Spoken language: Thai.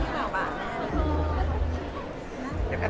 ขอพี่บอกว่า